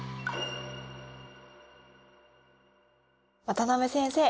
渡辺先生。